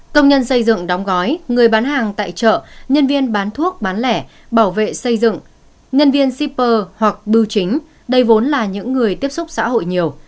công nhân xây dựng đóng gói người bán hàng tại chợ nhân viên bán thuốc bán lẻ bảo vệ xây dựng nhân viên shipper hoặc biêu chính đây vốn là những người tiếp xúc xã hội nhiều